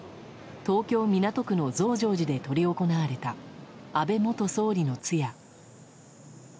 東京・港区の増上寺で執り行われた安倍元総理の通夜。